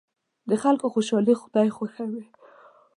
د خلکو خوشحالي خدای خوښوي.